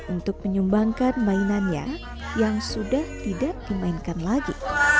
untuk menyumbangkan mainannya yang sudah tidak dimainkan lagi